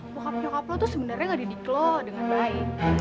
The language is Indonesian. bokap nyokap lo tuh sebenernya ga didik lo dengan baik